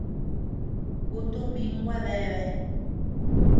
Kutu min gua deabea.